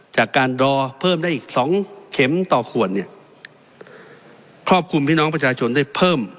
จากการรอเพิ่มได้อีกสองเข็มต่อขวดเนี่ยครอบคลุมพี่น้องประชาชนได้เพิ่ม